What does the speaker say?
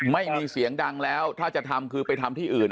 ไม่มีเสียงดังแล้วถ้าจะทำคือไปทำที่อื่น